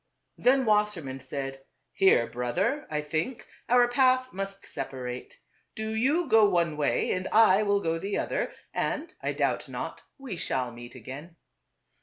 Then Wassermann said, " Here, brother, I think, our path must separate. Do you go one way, I will go the other ; and, I doubt not, we shall meet again.